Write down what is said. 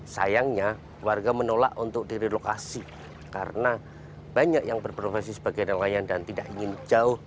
sayangnya warga menolak untuk direlokasi karena banyak yang berprofesi sebagai nelayan dan tidak ingin jauh